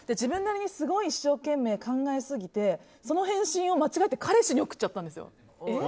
自分で一生懸命考えすぎてその返信を間違えて彼氏に送っちゃったんですよ。